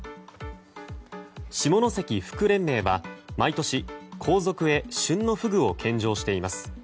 下関ふく連盟は毎年、皇族へ旬のフグを献上しています。